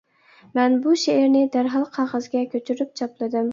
مەن بۇ شېئىرنى دەرھال قەغەزگە كۆچۈرۈپ چاپلىدىم.